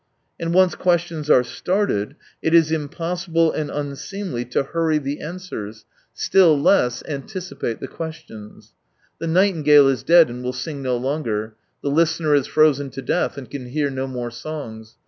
And once questions are started, it is im possible and unseemly to hurry the answers, 169 still less anticipate the questions. The nightingale is dead and will sing no longer, the listener is frozen to death and can hear no more songs.